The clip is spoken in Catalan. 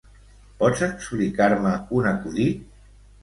Pots explicar-me un acudit?